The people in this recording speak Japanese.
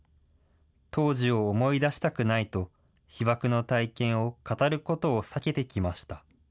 当時を思い出したくないと、被爆の体験を語ることを避けてきました。